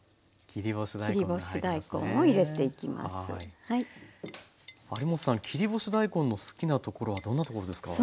切り干し大根の好きなところはどんなところですか？